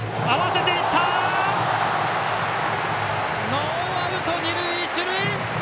ノーアウト、二塁一塁！